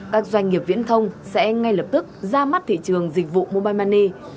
các doanh nghiệp viễn thông sẽ ngay lập tức ra mắt thị trường dịch vụ mobile money